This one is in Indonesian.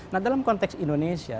nah dalam konteks indonesia